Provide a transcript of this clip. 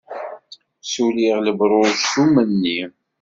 Suliɣ lebruj s umenni.